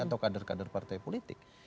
atau kader kader partai politik